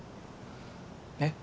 えっ？